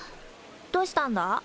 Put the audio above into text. どしたんだ？